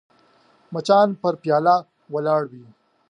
مچان پر پیاله ولاړ وي